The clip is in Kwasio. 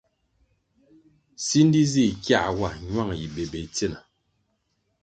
Sindi zih kiā wa, ñuang yi bébéh tsina.